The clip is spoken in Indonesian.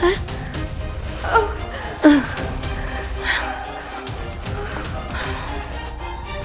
aku harus sembuh dewi